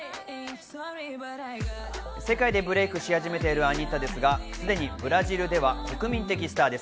世界でブレイクし始めているアニッタですが、すでにブラジルでは国民的スターです。